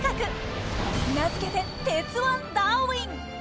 名付けて「鉄腕ダーウィン」！